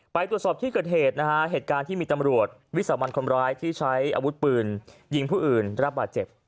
ไปตรวจสอบที่เกิดเหตุนะฮะเหตุการณ์ที่มีตำรวจวิสามันคนร้ายที่ใช้อาวุธปืนยิงผู้อื่นได้รับบาดเจ็บ